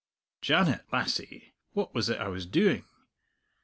Janet, lassie, what was it I was doing?"